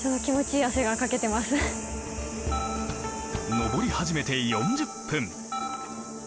登り始めて４０分。